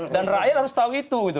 dan rakyat harus tahu itu